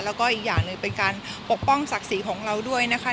แล้วก็อีกอย่างหนึ่งเป็นการปกป้องศักดิ์ศรีของเราด้วยนะคะ